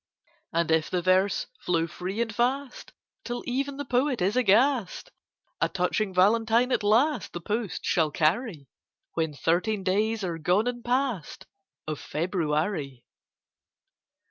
And if the verse flow free and fast, Till even the poet is aghast, A touching Valentine at last The post shall carry, When thirteen days are gone and past Of February.